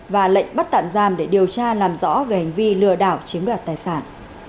và lệnh bắt tạm giam để điều tra làm rõ về hành vi lừa đảo chiếm đoạt tài sản